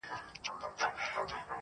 پلونه یې بادونو له زمان سره شړلي دي-